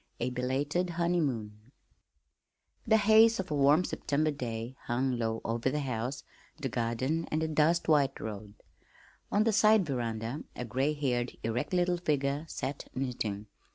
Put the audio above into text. A Belated Honeymoon The haze of a warm September day hung low over the house, the garden, and the dust white road. On the side veranda a gray haired, erect little figure sat knitting.